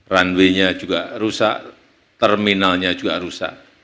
runway nya juga rusak terminalnya juga rusak